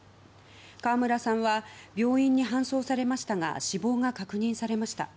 川村さんは病院に搬送されましたが死亡が確認されました。